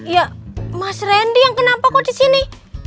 ya mas randy yang kenapa kok disini